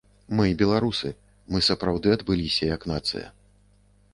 Мы беларусы, мы сапраўды адбыліся як нацыя.